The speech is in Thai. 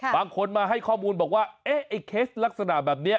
บางคนมาให้ข้อมูลบอกว่าเอ๊ะไอ้เคสลักษณะแบบนี้